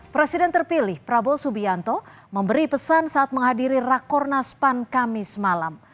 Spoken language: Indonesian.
presiden terpilih prabowo subianto memberi pesan saat menghadiri rakornas pan kamis malam